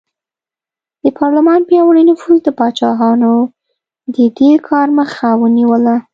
د پارلمان پیاوړي نفوذ د پاچاهانو د دې کار مخه ونیوله.